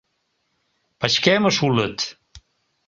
— Пычкемыш улыт.